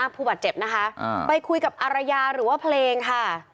ผู้บาดเจ็บนะคะไปคุยกับอารยาหรือว่าเพลงค่ะ